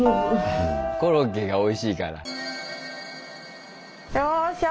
コロッケがおいしいから。